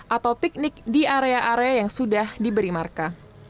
atau piknik di area area yang sudah diberi marka